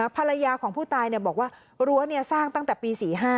ภรรยาของผู้ตายบอกว่ารั้วสร้างตั้งแต่ปี๔๕